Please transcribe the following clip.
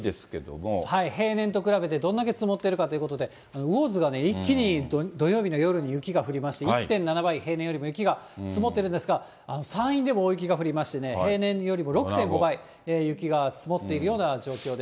平年と比べてどんだけ積もっているかということで、魚津が一気に土曜日の夜に雪が降りまして、１．７倍、平年よりも雪が積もってるんですが、山陰でも大雪が降りましてね、平年よりも６．５倍、雪が積もっているような状況です。